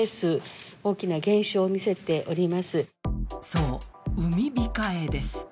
そう、産み控えです。